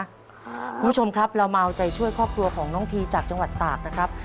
คุณผู้ชมครับเรามาเอาใจช่วยครอบครัวของน้องทีจากจังหวัดตากนะครับ